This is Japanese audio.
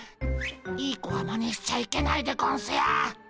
いい子はマネしちゃいけないでゴンスよ。